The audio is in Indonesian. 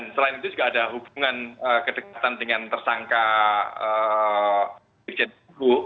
selain itu juga ada hubungan kedekatan dengan tersangka irjen ibu